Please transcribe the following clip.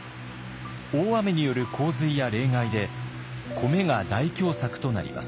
大雨による洪水や冷害で米が大凶作となります。